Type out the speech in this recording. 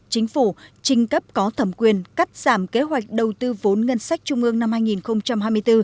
chính phủ trinh cấp có thẩm quyền cắt giảm kế hoạch đầu tư vốn ngân sách trung ương năm hai nghìn hai mươi bốn